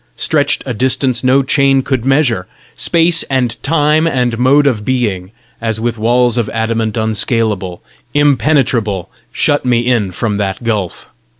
stretched a distance no chain could measure! Space and Time and Mode of Being, as with walls of adamant unscalable, impenetrable, shut me in from that gulf!